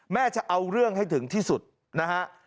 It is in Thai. จะเอาเรื่องให้ถึงที่สุดนะฮะ